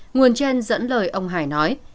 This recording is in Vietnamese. nguồn trên dẫn lời ông hải nói